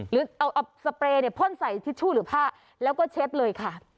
หรือเอาสเปรย์พ่นใส่ทิชชู่หรือผ้าแล้วก็เช็ดเลยค่ะ